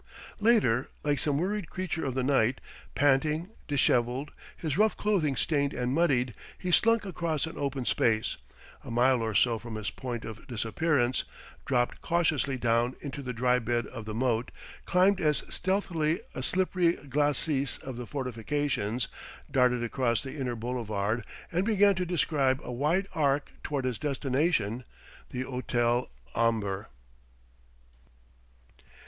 Later, like some worried creature of the night, panting, dishevelled, his rough clothing stained and muddied, he slunk across an open space, a mile or so from his point of disappearance, dropped cautiously down into the dry bed of the moat, climbed as stealthily a slippery glacis of the fortifications, darted across the inner boulevard, and began to describe a wide arc toward his destination, the hôtel Omber.